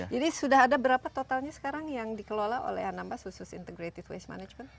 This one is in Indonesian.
jadi sudah ada berapa totalnya sekarang yang dikelola oleh anambas khusus integrated waste management